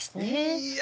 いや。